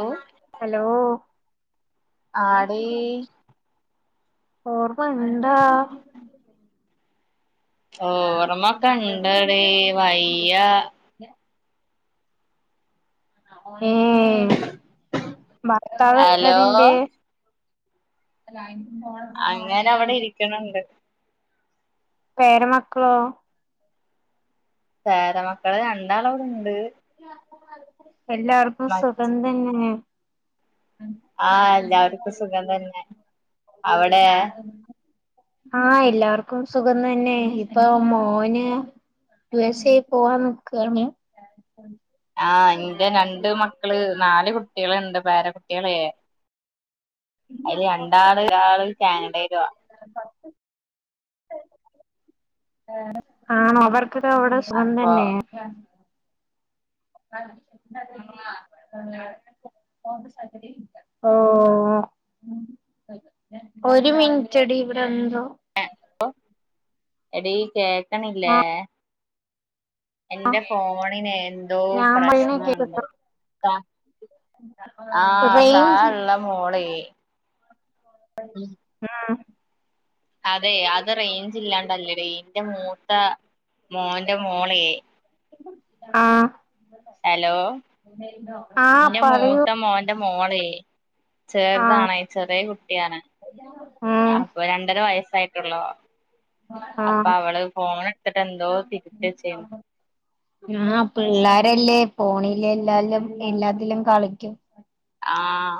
ഓ hello ആടീ ഓർമ്മണ്ടാ ഓർമ്മക്കണ്ട ടീ വയ്യ ഏ ഭർത്താവ് എവിടെ ഹലോ നിന്റെ [inaudible] അങ്ങേര് അവിടെ ഇരിക്കണണ്ട് പേര മക്കളോ പേര മക്കള് രണ്ടാളോവിടെ ഇണ്ട്. എല്ലാർക്കും സുഖം തന്നെ. ആഹ് എല്ലാർക്കും സുഖം തന്നെ. അവിടെ [unintelligible] ആ എല്ലാർക്കും സുഖം തന്നെ ഇപ്പം മോന് യു എസ് എ പോവാ നോക്കാണ്. ആ ഇന്റെ രണ്ട് മക്കള് നാല് കുട്ടികള്ണ്ട് പേര കുട്ടികളേ. അയില് രണ്ടാള് ആള് കാനഡയിലുആ. ആണ് ആണോ അവർ? ഇക്കക്കവ്ടെ സുഖന് അപ്പൊ തന്നെ. ആഹ് ന്നെ [unintelligible] ഓാ... ഒരു മിനറ്റെടി വ്‌ടെന്തോ. എ ഒ എടീ കേക്കണില്ലേ? ആഹ് എൻ്റെ ഫോണിന് എന്തോ ഞാൻ പറയണ പ്രശ്നൊണ്ട് താ. കേക്കുന്നുണ്ടോ ആഹ റേഞ്ച് താഴുള്ള മോളേ ഉം ആ അതെ അത് റേയ്ഞ്ച് ഇല്ലാണ്ടല്ലടീ. ൻ്റെ മൂത്ത മോൻ്റെ മോളേ ആഹ ആഹ പറയൂ. മോളേ ആ ചെറുതാണെ ചെറിയ കുട്ടിയാണ് ഉം അപ്പൊ രണ്ടര വയസായി ട്ടൊള്ളൂ ആ അപ്പാ അവള് ഫോണെടുത്തിട്ട് എന്തോ തിരുത്തിച്ചേണ്. ആഹ് പിള്ളാരല്ലേ പോണില്ലാലും എല്ലാത്തിലും കളിക്കും. ആഹ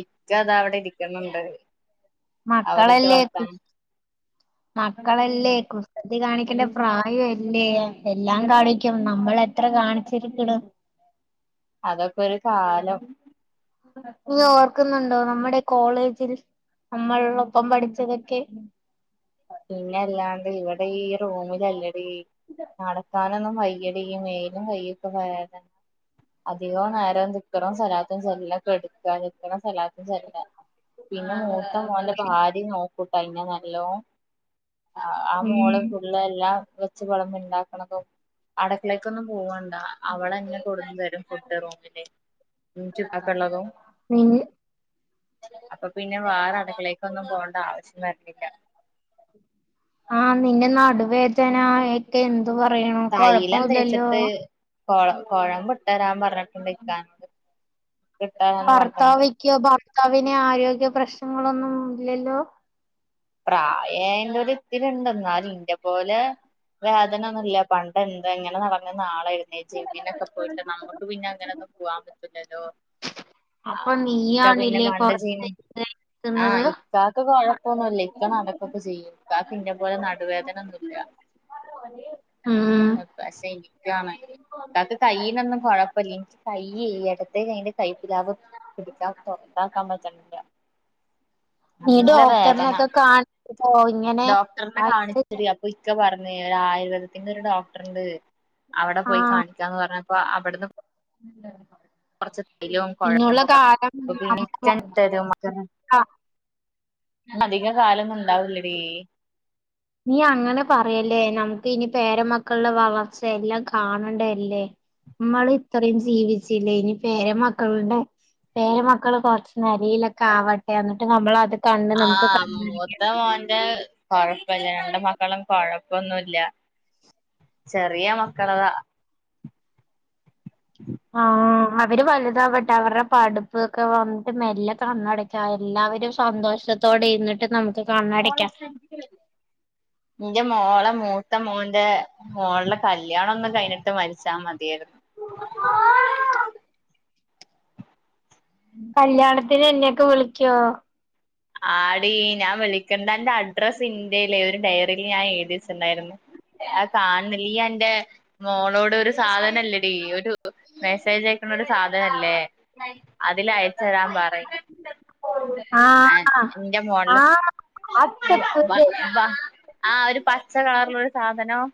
ഇക്ക അതാവിടെ ഇരിക്കണണ്ട്. മക്കളല്ലേക്ക് മക്കളല്ലേക്കു തി കാണിക്കണ്ട പ്രായല്ലേ എല്ലാം കാണിക്കും നമ്മളെത്ര കാണിച്ചിരിക്കണ്. [inaudible] അതൊക്കെ ഒരു കാലം. നീ ഓർക്കുന്നുണ്ടോ നമ്മടെ കോളേജിൽ നമ്മള്ളൊപ്പം പഠിച്ചതൊക്കെ? റൂമിലല്ലടീ നടക്കാനൊന്നും വയ്യടീ മേലും കൈയൊക്കെ വേദന് അധികോ നേരം ദിക്കറും സ്വലാത്തും ചൊല്ലി കെടുക്കാ ദിക്കറും സ്വലാ ജ റില പിന്നെ മൂത്ത മോൻ്റെ ഭാര്യ നോക്കൂട്ട ഇന്നെ നല്ലോം. ആ ആ മോള് ഉം ഫുള്ള് എല്ലാം വെച്ച് വെളമ്പി ഇണ്ടാക്കണതും അടക്കളേക്കൊന്നും പോവണ്ടാ അവളന്നെ കൊടുന്നു തരും ഫുഡ് റൂമിലേ ൻക്കും പ്പാക്കുള്ളതും. നി അപ്പൊ പിന്നെ വേറെ അടക്കളേക്കൊന്നും പോണ്ട ആവശ്യം വര്ന്നില്ല. ആഹ നിന്റെ നടുവേദനായക്കെ എ തൈലം തേച്ചിട്ട് കൊഴ കോഴമ്പിട്ടരാം പറഞ്ഞിട്ടുണ്ട്ക്കാനോട്. ഭർത്താവെക്ക്യ ഭർത്താവിന് ആരോഗ്യ പ്രശ്നങ്ങളൊന്നും ഇല്ലല്ലോ? പ്രായയേന്റെ ഒരിത്തിരിണ്ട് എന്നാലും ഇന്റെ പോലെ വേദന ഒന്നുല്ല പണ്ടെന്തെങ്ങനെ നടന്നിനെ ആളായിരുന്ന് പന്നെ ജമ്മിനൊക്കെ പോയിട്ട് നമ്മുക്ക് പിന്നെ അങ്ങനൊന്നും പോവാൻ പറ്റുല്ലല്ലോ. ആ അപ്പൊ ഇക്ക പിന്നെ നീയാണില്ലേ പണ്ട് കൊറച്ച് ജിം ആഹ് ക്കുന്നത് ഇക്കാക്ക് കൊഴപ്പൊന്നുല്ലേ. ഇക്ക നടക്കൊക്കെ ചെയ്യും ഇക്കാക്ക് ന്നെ പോലെ നടുവേദനൊന്നുല്ല. ഉം അ പശെ ഇനിക്കാണ്. ഇക്കാക്ക് കയ്യിനൊന്നും കൊഴപ്പല്ല്യ ൻക്ക് കൈയ്യേ എടത്തെ കയ്യിന്റെ കൈപ്പിലാവ് പിടിക്കാ തൊ ട്ടാക പറ്റണില്ല. നീ നല്ല വേദന ഡോക്ടറിനൊക്കെ കാണണം ഡോക്ടറിനെ കാണിച്ച അപ്പൊ ഇക്ക പറഞ്ഞേ ഒരു ആയുർവേദ ഒരു ഡോക്ടർണ്ട് അവിടെ പോയി കാണിക്കാന്ന് പറഞ്ഞപ്പ അവിടുന്ന് ഉ കുറച്ച് തൈലവും കുഴമ്പും നമ്മുടെ ഒക്കെ [inaudible] തരും ഒക്കെ മക്ക അധിക കാലൊന്നുണ്ടാവില്ലടി നീ അങ്ങനെ പറയല്ലേ നമുക്ക് ഇനി പേരമക്കളുടെ വളർച്ച എല്ലാം കാണണ്ട അല്ലേ നമ്മൾ ഇത്രയും ജീവിച്ചില്ലേ ഇനി പേരെ മക്കളുടെ പേരമക്കള് കൊറച്ച് നിലയിലൊക്കെ ആവട്ടെ എന്നിട്ട് നമ്മൾത് ആഹ മൂത്ത മോന്റെ കൊഴപ്പമില്ല രണ്ട് മക്കൾ മക്കളും കൊഴപ്പൊന്നുംല്ല ചെറിയ മക്കളതാ ആഹ അവര് വലുതാവട്ടെ അവരുടെ പടുപ്പൊക്കെ വന്നിട്ട് മെല്ലെ കണ്ണടക്കാ അല്ലെ അവര് ഒരു സന്തോഷത്തോടെ ഇുന്നിട്ട് നമുക്ക് കണ്ണടക്കാം എന്റെ മോള മൂത്ത മോന്റെ മോള കല്യാണം ഒന്നുംകഴിഞ്ഞിട്ട് മരിച്ചാ മതിയായിരുന്നു കല്യാണത്തിന് എന്നെയൊക്കെ വിളിക്കുവോ ആടി ഞാൻ വിളിക്കണ്ട എന്റെ അഡ്രസ്സ് എന്റ ഒരു ഡയറിയിൽ ഞാൻ എഴുതി വച്ചിട്ടുണ്ടാരുന്നു നീ എന്റെ മോളോട് ഒരു സാധനം ഇല്ലടി ഒരു മെസ്സേജയക്കണ ഒരു സാധനല്ലേ അതില് അയച്ച് തരാൻ പറയ് ആഹ എന്റെ മോളില് വാട്സപ്പ് ആഹ ഒരു പച്ച കളറിലൊരു സാധനം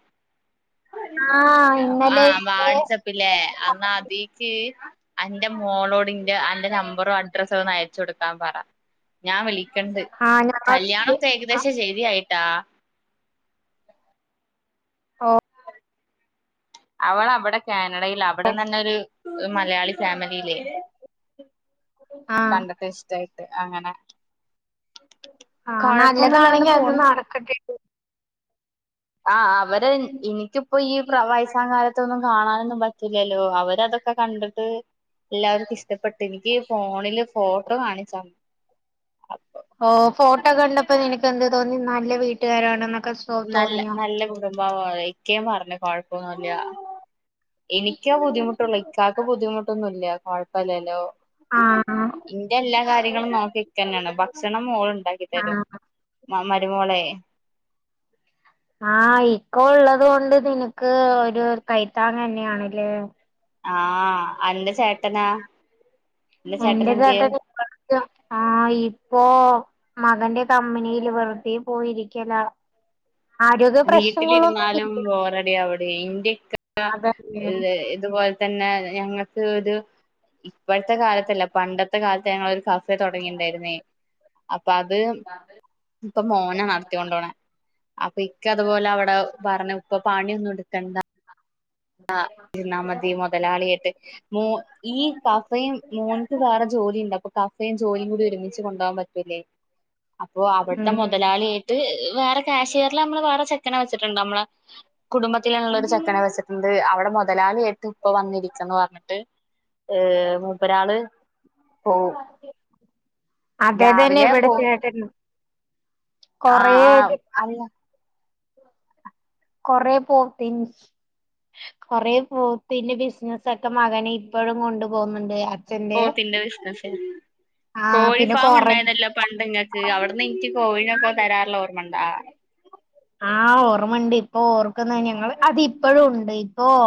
ആഹ് ഇന്നലെ ആഹ് വാട്സപ്പിലെ അാ അതിക്ക് അന്റെ മോളോഡിന്റെ അന്റെ നമ്പറോ അഡ്രസ്സോ ഒന്ന് അയച്ചു കൊടുക്കാൻ പറ ഞാൻ വിളിക്കണ്ട് ആഹ് കല്യാണൊക്കെ ഞാൻ ഏകദേശം ശരിയായി ട്ട ആഹ അവള അവിടെ കാനഡയിൽ അവിട്ന്നു തന്നെ ഒരു മലയാളി ഫാമിലിയിലെ ആഹ് കണ്ടത്തി ഇഷ്ടായിട്ട് അങ്ങനെ ആഹ കൊഴപ്പൊന്നുല്ലാണ്ട് നല്ലതാണെങ്കി അത് പോണ് നടക്കട്ടെണ്ട് ആ അവര് എനിക്കിപ്പോ ഈ വയസ്സാ കാലത്തൊന്നും കാണാനൊന്നും പറ്റില്ലല്ലോ അവര് അതൊക്കെ കണ്ടിട്ട് എല്ലാവർക്കും ഇഷ്ടപ്പെട്ട് എനിക്ക് ഫോണില് ഫോട്ടോ കാണിച്ച് തന്ന് ഓ ഫോട്ടോകണ്ടപ്പോ എനിക്ക് തോന്നി നല്ല വീട്ടുകാരാണന്ന് നല്ല നല്ല കുടുംബ ഇചേയും പറഞ്ഞ് കൊഴപ്പമൊന്നുമില്ല എനിക്കാ ബുദ്ധിമുട്ടുള്ളത് ഇക്കാക്ക് ബുദ്ധിമുട്ടൊന്നും ഇല്ല കൊഴപ്പമില്ലല്ലോ ആഹ് ഇന്റെ എല്ലാ കാര്യങ്ങളും നോക്കി ഇക്ക തന്നെയാണ് ഭക്ഷണം മോള് ഉണ്ടാക്കി തരും ആഹ് മ മരുമോളെ ആ ഇക്കൊ ഉള്ളത് കൊണ്ട് നിനക്ക് ഒരു കൈത്താങ് തന്നെയാണല്ലേ ആഹ അന്റെ ചേട്ടനാ അന്റെ എന്റെ എന്തിയെ ചേട്ടൻ ആ ഇപ്പോ മകന്റെ കമ്പനിയില് വെറുതെ പോയിരിക്കുക വീട്ടിലിരുന്നാലും ബോറടിയ അവിടെ [inaudible] അതന്നെ ഇതുപോലെ തന്നെ ഞങ്ങൾക്ക് ഒരു ഇപ്പോഴത്തെ കാലത്തല്ല പണ്ടത്തെ കാലത്ത് ഞങ്ങളൊരു കഫേ തുടങ്ങിട്ടുണ്ടായിരുന്നേ അപ്പ അത് ഇപ്പൊ മോന നടത്തി കൊണ്ട് പോണത് അപ്പൊ ഇക്ക അതുപോലെ അവിടെ പറഞ്ഞ ഇപ്പ പാണി ഒന്നും എടുക്കണ്ട ആ ഇരുന്നാ മതി മുതലാളിയാട്ട് മോൻ ഈ കഫയും മോൻക്ക് വേറെ ജോലിണ്ട് അപ്പ കഫയും ജോലിയും കൂടി ഒരുമിച്ച് കൊണ്ടുപോകാൻ പറ്റും അപ്പൊ അവിടുത്തെ ഉം മുതലാളിയായിട്ട് വേറെ കാശ്കാരിൽ നമ്മള് വേറെ ചെക്കനെ വച്ചിട്ടുണ്ട് നമ്മുടെ കുടുംബത്തിലൽന്നുള്ള ഒരു ചെക്കന വെച്ചിട്ട് അവിടെ മുതലാളിയായിട്ട് ഇപ്പ വന്നിരിക്കന്ന് പറഞ്ഞിട്ട്- ഏഹ് മൂപ്പരാള് പോവും. അതെതന്നെ രാവിലെ ഇവിടെ ചേട്ടനും ആഹ് കൊറേ ആഹ് അല്ല കൊറ പോപ്പിൻസ് കൊറെ പോത്തിന്റെ ബിസിനസ്സ ഒക്കെ മകനെ ഇപ്പോഴും കൊണ്ടു പോകുന്നുണ്ട് അച്ഛന്റെ പൊത്തില്ല ബിസിനസിന് ആഹ് കോഴി പിന്നെ ഫാം കൊറേ ഉണ്ടായതല്ലോ പണ്ടങ്ങൾക്ക് അവിടുന്ന് ഇനിക്ക് കോഴിനൊക്കെ തരാറുള്ള ഓർമ്മ- [unintelligible] ആഹ് ഓർമ്മുണ്ട് ഇപ്പൊ ഓർക്കുന്ന ഞങ്ങള് അതിപ്പോഴും ഉണ്ട് ഇപ്പോ-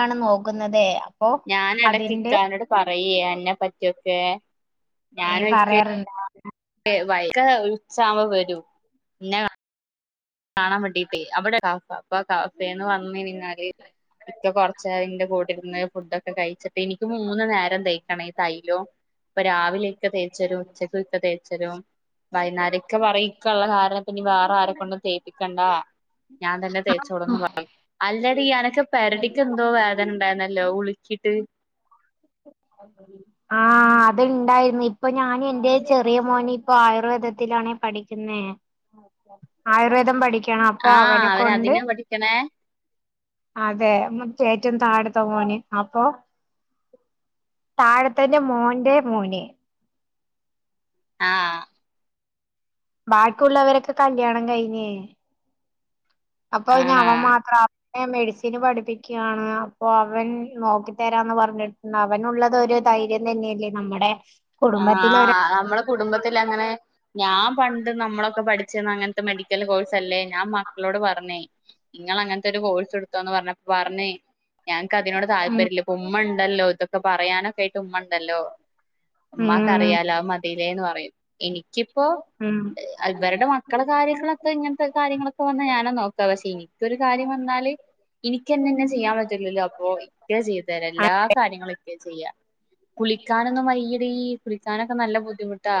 ാണ് [unintelligible] നോക്കുന്നത് അപ്പൊ ഞാനെടക്ക് അതിന്റെ ഇക്കാനോട് പറയേ അന്നെ പറ്റിയൊക്കെ ഏ പറയാറുണ്ട് വൈഗ ഉച്ച ആവുമ്പോ വരും പിന്ന- കാണാൻ പറ്റീട്ടേ അവിടെ കാഫന്ന് പറഞ്ഞ കഴഞ്ഞാല് ഇപ്പ കൊറച്ചായി ഇന്റെ കൂടെര്ന്ന് ഫുഡൊക്കെ കഴിച്ചിട്ട് ഇനിക്ക് മൂന്ന് നേരം തേയ്ക്കണം ഈ തൈലോ ഇപ്പൊ രാവിലൊക്കെ തേച്ചരും ഉച്ചക്കൊ ഒക്കെ തേച്ചരും വൈന്നേര ഇക്ക പറയും ഇക്ക ഇള്ള കാരണപ്പം ഇപ്പ ഇനി വേറെ ആരെക്കൊണ്ടും തേപ്പിക്കണ്ടാ ഞാൻ തന്നെ തേച്ചോടൊന്നും പറും അല്ലടി എനക്ക് പെടലിക്ക് എന്തോ വേദന ഉണ്ടായിരുന്നു നല്ലോ ഉളിക്കീട്ട് ആഹ അത്ണ്ടായിരുന്നു ഇപ്പൊ ഞാൻ എന്റെ ചെറിയ മോന് ഇപ്പ ആയുർവേദത്തില- പടിക്കുന്നതിനു, ആയുർവേദം പഠിക്കുന്നതിനു അപ്പൊ ആഹ് അവനെ അവന് കൊണ്ട് അതിനാ പഠിക്കണേ അതെ മുത് ഏറ്റോം താഴത്തെ മോന് അപ്പൊ താഴത്തിന്റെ മോന്റെ മോന് ആഹ് ബാക്കിയുള്ളവരൊക്കെ കല്യാണം കഴിഞ്ഞേ അപ്പൊ ഇനി അമ്മ ആണാ മാത്രമ മെഡിസിന് പഠിപ്പിക്കുകയാണ് അപ്പൊ അവൻ നോക്കി തരാന്ന് പറഞ്ഞിട്ടുണ്ട് അവനുള്ളത് ഒരു- ധൈര്യം തന്നെയല്ലേ നമ്മുടെ- ആ കുടുംബത്തില ഒരാ നമ്മളെ കുടുംബത്തി അങ്ങനെ ഞാൻ പണ്ട്- നമ്മളൊക്കെ പഠിച്ച അങ്ങനത്തെ മെഡിക്കൽ കോഴ്സ് അല്ലേ ഞാൻ മക്കളോട് പറഞ്ഞേ നിങ്ങ അങ്ങനത്തെ ഒരു കോഴ്- എടുത്തോന്ന് പറഞ്ഞപ്പൊ പറഞ്ഞേ- ഞങ്ങക്ക് അതിനോട് ഉം താല്പര്യല്ല ഇപ്പൊ ഉമ്മ ഇണ്ടല്ലോ ഇതൊക്കെ പറയാനൊക്കെ ആയിട്ട് ഉമ്മ ഇണ്ടല്ലോ ഉം ഉമ്മാക്കറിയാലോ അത് മതിലേന്ന് പറയും എനിക്കിപ്പോ ഉം അവരുടെ മക്കള കാര്യങ്ങളൊക്കെ ഇങ്ങനത്തെ കാര്യങ്ങളൊക്കെ വന്നാ ഞാനോ നോക്ക പക്ഷെ എനിക്കൊരു കാര്യം വന്നാ- ന്നാല് ഇനിക്കെന്നെ ഇന്നെ ചെയ്യാൻ പറ്റൂലല്ലോ അപ്പൊ ഇക്കയാ ചെയ്ത് തെരാ ആ എല്ലാ കാര്യങ്ങളും ഇക്കയാ ചെയ്യാ കുളിക്കാനൊന്നും വയ്യടി കുളിക്കാനൊക്കെ നല്ല ബുദ്ധിമുട്ടാ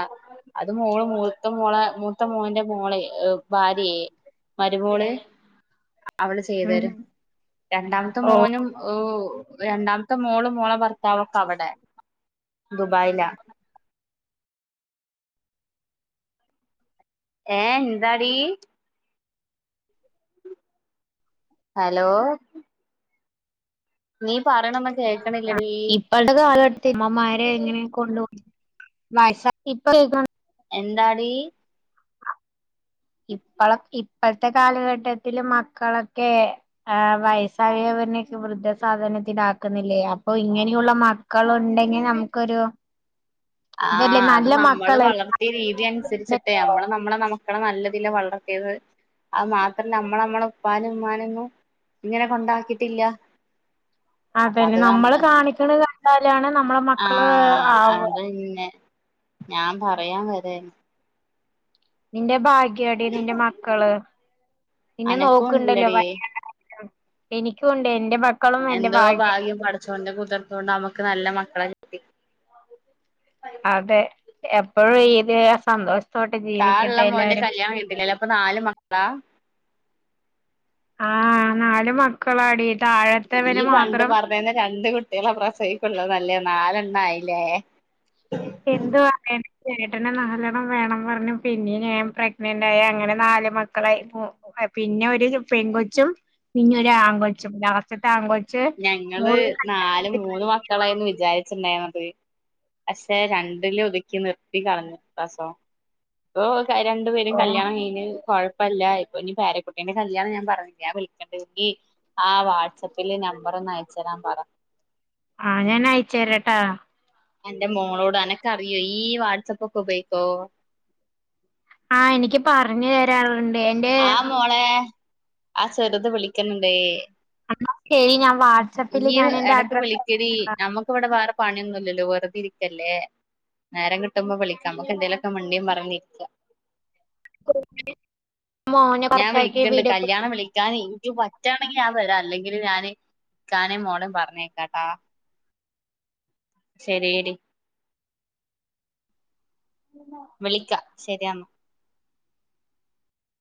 അത് മോള് മൂത്ത മോള മൂത്ത മോൻറെ മോളെ ഭാര്യയ മരുമോള് അവള് ചെയ്ത് ഉം തരും രണ്ടാമത്തെ ഓ മോനും ഓഹ് രണ്ടാമത്തെ മോള് മോളെ ഭർത്താവൊക്കെ അവിടെ ദുബായിലാ ഏഹ് എന്താടി? ഹലോ നീ പാ ഇപ്പഴത്തെ കാലഘട്ടത്തി അമ്മമാരെ ഇങ്ങനെ കൊണ്ടോ വസ [unintelligible] എന്താടീ ഇപ്പള- ഇപ്പോഴത്തെ കാലഘട്ടത്തിൽ മക്കളൊക്കെ വയസ്സായവര്നെക്കെ വൃദ്ധസധ ഇത് ആക്കുന്നില്ലേ അപ്പൊ ഇങ്ങനെയുള്ള മക്കളുണ്ടെങ്കിൽ നമുക്കൊരു ആ ഇതല്ലേ അത് നല്ല നമ്മള് മക്കളെ വളർത്തിയ രീതി അനുസരിച്ചി ട്ടെ നമ്മള് നമ്മളെ മക്കളെ നല്ല വളർത്തിയത്. അത് മാത്രല്ല നമ്മള് നമ്മടെ ഉപ്പാനെയുംഉമ്മാനെയൊന്നും ഇങ്ങനെ കൊണ്ടാക്കിട്ടില്ല. അപ്പൊ അതന്നെ അത് നമ്മ നമ്മള് കാണിക്കണ കണ്ടാലാണ് നമ്മളെ ആ മക്കള് ആവ അത് പിന്നെ ഞാൻ പറയാൻ വരുകായിരുന്നു. നിന്റെ ഭാഗ്യടി നിന്റെ മക്കള് നിന്നെ അനക്കും നോക്കുണ്ടല്ലോ? ഉണ്ടില്ലടി വയ്യാണ്ടായാ. എനിക്കു ഉണ്ടേ എന്തോ ഭാഗ്യം പടച്ചോന്റെ കുതിർത്ത കൊണ്ട് നമ്മുക്ക് നല്ല മക്കളെ കിട്ടി. അതെ എപ്പോഴും ഇതെ സന്തോഷം താഴെയുള്ള മോന്റെ കല്യാണം കേട്ടില്ലല്ലോ അപ്പൊ നാല് മക്കളാ? ആ നാല് മക്കളാടി. ഈ താഴത്തവന് പണ്ട് മാത്രം പറഞ്ഞതന്നെ രണ്ട് കുട്ടികളെ പ്രസവിക്കുള്ളതല്ലേ നാലെണ്ണായില്ലേ? എന്താ എന്ത്.. ചേട്ടനെ നാലെണ്ണം വേണം പറഞ്ഞു. പിന്നെയും ഞാൻ പ്രഗ്നന്റ് ആയി അങ്ങനെ നാല് മക്കളായി. പിന്നെ ഒരു പെൺ കൊച്ചും. പിന്നൊ രു ആൺ കൊച്ചും. ഞങ്ങള് നാല് കഴിച്ചു. മൂന്ന് മക്കളായിന്ന് വിചാരിച്ച [unintelligible] പക്ഷേ രണ്ടില് ഒതുക്കി നിർത്തി കളഞ്ഞു പ്രസവം. പ്പ രണ്ടു പേരും ഓ കല്യാണം കഴിഞ്ഞ് കുഴപ്പ ഇപ്പല്ല ഇപ്പൊ ഇനി പേരക്കുട്ടിന്റെ കല്യാണം ഞാൻ പറഞ്ഞില്ലേ വിളിക്കേണ്ടത് ആ വാട്സ്ആപ്പില് ന നമ്പറൊന്നഅയച്ചു തരാൻ പറാ. ആ ഞാൻ അയച്ചു തരാട്ടോ. എന്റെ മോളോട് അനക്ക അറിയോ ഈ വാട്സാആപ്പ് ഒക്കെ ഉപയോഗിക്കോ? ആ എനിക്ക് പറഞ്ഞു തരാനുള്ള ആ മോളെ ആ ചെറുത് വിളിക്കണുണ്ട്. [unintelligible] ഈ ഞാൻ എന്റെ ഇടക്ക് അഡ്രസ്സ് വിളിക്കടി അയച്ചേക്കാം നമുക്ക് ഇവിടെ വേറെ പണിയൊന്നും ഇല്ലല്ലോ വെറുതെ ക്കല്ലേ. നേരം കിട്ടുമ്പോ വിളിക്കാം. നമ്മുക്ക് എന്തേലുമൊക്കെ മിണ്ടിയും പറഞ്ഞിരിക്കാം. ഓക്കേ. ഞാൻ വിളിക്കണ്ട് കല്യാണം വിളിക്കാൻ എനിക്ക് പറ്റയാണെങ്കിൽ ഞാൻ വരാ അല്ലെങ്കിൽ ഞാന് ഇക്കാനെയും മോളെയും പറഞ്ഞയക്കാം കേട്ടോ. ശരിയടി. വിളിക്കാം. ശരിയെന്നാ.